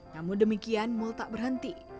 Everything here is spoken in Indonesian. namun demikian mul tak berhenti